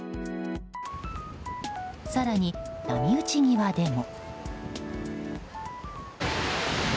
更に、波打ち際でも。